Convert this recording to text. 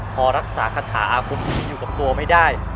พอรักษาคาถาอาคมที่อยู่กับตัวไม่ได้